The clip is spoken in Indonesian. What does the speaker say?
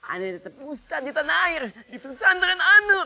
anak tetap ustadz di tanah air di pesantren anur